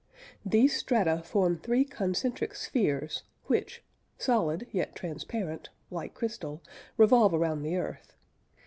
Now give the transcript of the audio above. These strata form three concentric "spheres" which, solid yet transparent (like crystal), revolve around the earth.